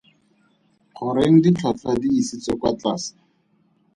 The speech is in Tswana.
Goreng ditlhotlhwa di isitswe kwa tlase.